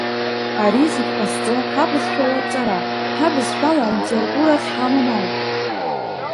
Ари зегь ҟазҵо ҳабызшәала аҵара, ҳабызшәала алитература ахьҳамам ауп.